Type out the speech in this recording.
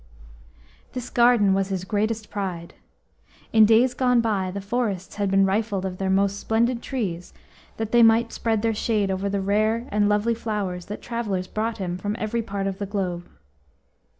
This garden was his greatest pride. In days gone by the forests had been rifled of their most splendid trees that they might spread their shade over the rare and lovely flowers that travellers brought him from every part of the globe.